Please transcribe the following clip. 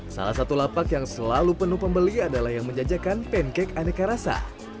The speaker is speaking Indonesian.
salah satu lapak yang selalu penuh pembeli adalah yang menjajakan pancake aneka rasa